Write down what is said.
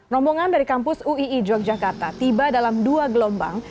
rombongan dari kampus uii yogyakarta tiba dalam dua gelombang